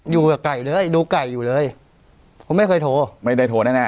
อยู่กับไก่เลยดูไก่อยู่เลยผมไม่เคยโทรไม่ได้โทรแน่แน่